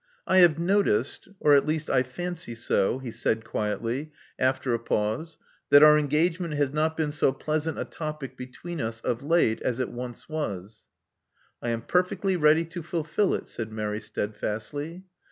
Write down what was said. *'I have noticed— or at least I fancy so ," he said quietly, after a pause, that our engagement has not been so pleasant a topic between us of late as it once was. I am perfectly ready to fulfil it," said Mary steadfastly.